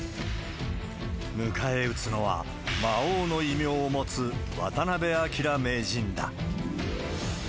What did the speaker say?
迎え撃つのは、魔王の異名を持つ渡辺明名人だ。